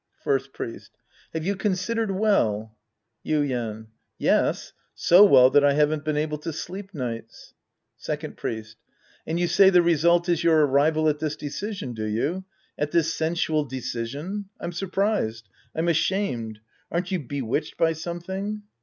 First Priest. Have you considered well ? Yuien. Yes, so well that I haven't been able to sleep nights. Second Priest. And you say the result is your arrival at this decision, do you? At this sensual decision ? I'm surprised. I'm ashamed. Aren't you bewitched by something